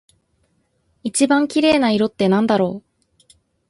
一番綺麗な色ってなんだろう？